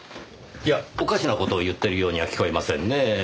いやおかしな事を言ってるようには聞こえませんね。